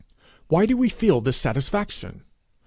Why do we feel this satisfaction?